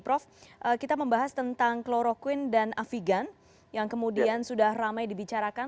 prof kita membahas tentang kloroquine dan afigan yang kemudian sudah ramai dibicarakan